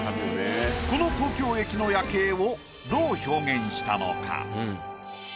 この東京駅の夜景をどう表現したのか？